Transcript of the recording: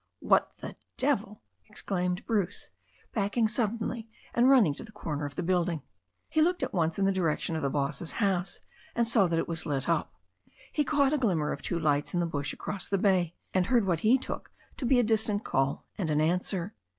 "What the devil I" exclaimed Bruce, backing suddenly, and running to the corner of the building. He looked at once in the direction of the boss's house, and saw that it was lit up. He caught a glimmer of two lights in the bush across the bay, and heard what he took to be a distant call and an answer.